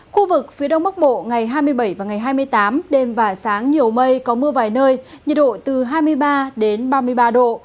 khu vực phía đông bắc bộ ngày hai mươi bảy và ngày hai mươi tám đêm và sáng nhiều mây có mưa vài nơi nhiệt độ từ hai mươi ba đến ba mươi ba độ